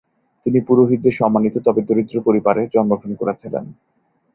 তিনি পুরোহিতদের সম্মানিত, তবে দরিদ্র পরিবারে জন্মগ্রহণ করেছিলেন।